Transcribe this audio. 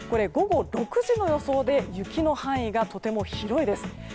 午後６時の予想で雪の範囲がとても広いです。